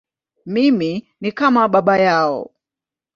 Mimi ni kama baba yao.